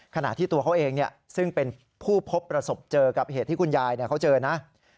ขณะที่ตัวเขาเองซึ่งเป็นผู้พบประสบเจอกับเหตุที่คุณยายเขาเจอนะ